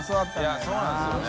いそうなんですよね。